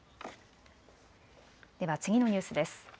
では次のニュースです。